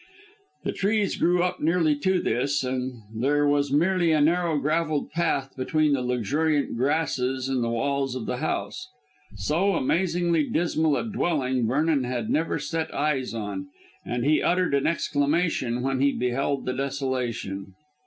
The trees grew up nearly to this, and there was merely a narrow gravelled path between the luxuriant grasses and the walls of the house. So amazingly dismal a dwelling Vernon had never set eyes on, and he uttered an exclamation when he beheld the desolation.